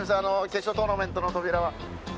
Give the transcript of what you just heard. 決勝トーナメントの扉は。